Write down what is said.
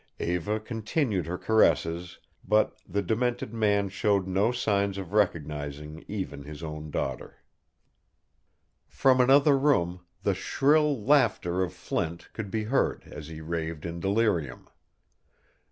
Eva continued her caresses, but the demented man showed no signs of recognizing even his own daughter. From another room the shrill laughter of Flint could be heard as he raved in delirium.